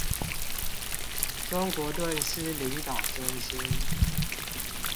中國頓失領導中心